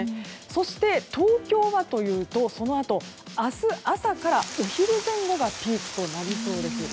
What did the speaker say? そして東京はというとそのあと、明日朝からお昼前後がピークとなりそうです。